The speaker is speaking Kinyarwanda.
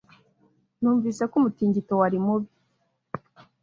Numvise ko umutingito wari mubi.